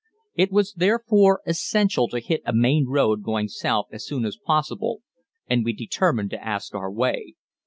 It was therefore essential to hit a main road going south as soon as possible, and we determined to ask our way.